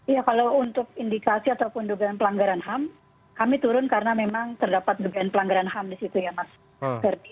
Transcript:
ya kalau untuk indikasi ataupun dugaan pelanggaran ham kami turun karena memang terdapat dugaan pelanggaran ham di situ ya mas ferdi